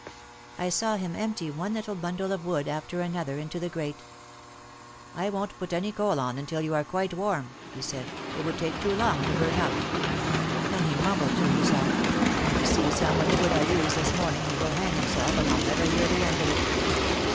I saw him empty one little bundle of wood after another into the grate. "I won't put any coal on until you are quite warm," he said; "it would take too long to burn up." Then he mumbled to himself, "When he sees how much wood I used this morning he will hang himself and I'll never hear the end of it."